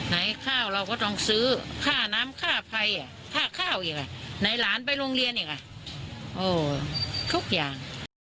ข้าวเราก็ต้องซื้อค่าน้ำค่าไฟค่าข้าวอีกอ่ะไหนหลานไปโรงเรียนอีกอ่ะทุกอย่าง